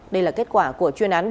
đây là kết quả của chuyên án